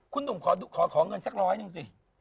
คุณหนุ่มขอเงินสักร้อยหนึ่งสิ